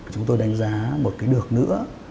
chúng tôi đánh giá một cái được nữa